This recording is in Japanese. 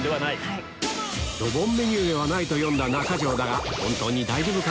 ドボンメニューではないと読んだ中条だが本当に大丈夫か？